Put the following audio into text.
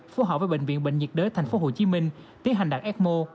phù hợp với bệnh viện bệnh nhiệt đới thành phố hồ chí minh tiến hành đặt ecmo